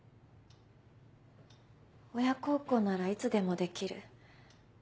親孝行ならいつでもできる。